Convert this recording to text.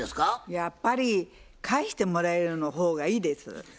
やっぱり返してもらえるの方がいいです。